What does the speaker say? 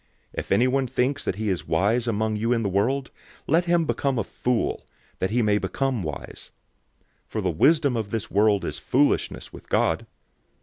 If anyone thinks that he is wise among you in this world, let him become a fool, that he may become wise. 003:019 For the wisdom of this world is foolishness with God.